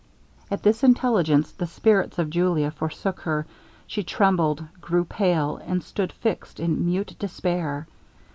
At this intelligence the spirits of Julia forsook her; she trembled, grew pale, and stood fixed in mute despair.